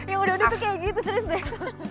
ya udah udah tuh kayak gitu terus deh